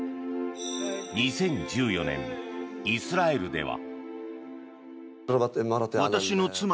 ２０１４年、イスラエルでは。